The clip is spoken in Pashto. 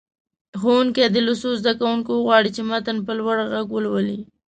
ښوونکی دې له څو زده کوونکو وغواړي چې متن په لوړ غږ ولولي.